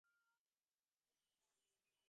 লোকটিকে আঘাত করো না!